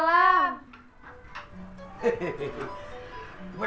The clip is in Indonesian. lo ada di mari